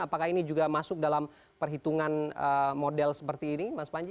apakah ini juga masuk dalam perhitungan model seperti ini mas panji